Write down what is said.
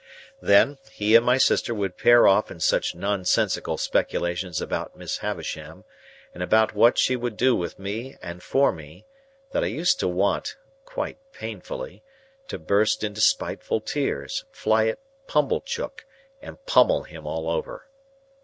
Then, he and my sister would pair off in such nonsensical speculations about Miss Havisham, and about what she would do with me and for me, that I used to want—quite painfully—to burst into spiteful tears, fly at Pumblechook, and pummel him all over.